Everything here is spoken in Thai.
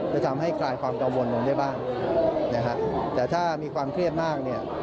จะทำให้คลายความกังวลลงได้บ้างนะฮะแต่ถ้ามีความเครียดมากเนี่ย